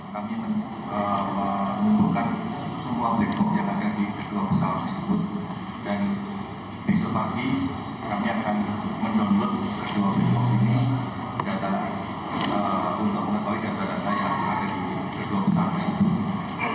kami menuntutkan semua platform yang ada di kedua besar tersebut dan besok pagi kami akan menuntut kedua platform ini data penerbangan data yang ada di kedua besar tersebut